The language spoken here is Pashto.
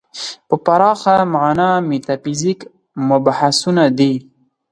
په پراخه معنا میتافیزیک مبحثونه دي.